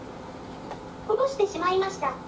落としてしまいました。